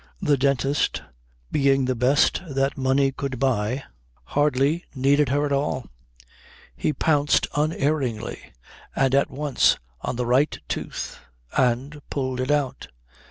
The dentist, being the best that money could buy, hardly needed her at all. He pounced unerringly and at once on the right tooth and pulled it out.